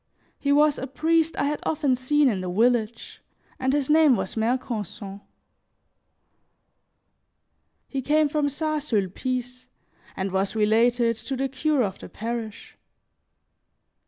He was a priest I had often seen in the village, and his name was Mercanson; he came from St. Sulpice and was related to the cure of the parish.